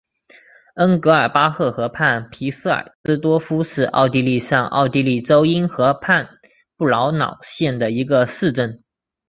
恩格尔巴赫河畔皮舍尔斯多夫是奥地利上奥地利州因河畔布劳瑙县的一个市镇。